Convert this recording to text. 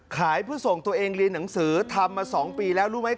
ขายเพื่อส่งตัวเองเรียนหนังสือทำมา๒ปีแล้วรู้ไหม